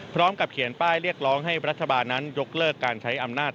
พร้อมกับเขียนป้ายเรียกร้องให้รัฐบาลนั้นยกเลิกการใช้อำนาจ